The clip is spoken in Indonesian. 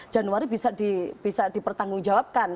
januari bisa dipertanggung jawabkan